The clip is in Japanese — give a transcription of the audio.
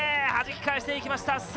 はじき返していきました